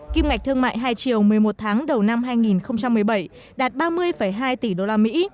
kim ngạch thương mại hai chiều một mươi một tháng đầu năm hai nghìn một mươi bảy đạt ba mươi hai tỷ usd